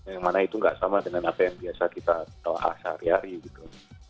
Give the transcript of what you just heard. yang mana itu nggak sama dengan apa yang biasa kita bahas sehari hari gitu